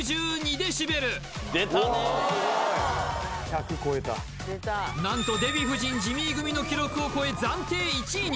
デシベル何とデヴィ夫人・ジミー組の記録を超え暫定１位に！